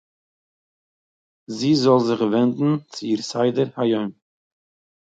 זי זאָל זיך ווענדן צו איר סדר היום